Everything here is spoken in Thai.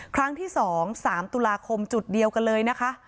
ครั้งที่๒๓ตุลาคมจุดเดียวกันเลยนะคะ